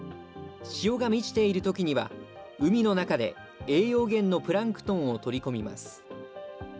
潮が満ちているときには、海の中で栄養源のプランクトンを取り込みます。